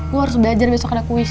gua harus belajar besok ada kuis